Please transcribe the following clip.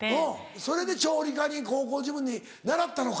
それで調理科に高校時分に習ったのか。